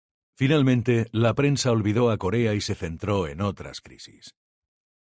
Finalmente la prensa olvidó a Corea y se centró en otras crisis.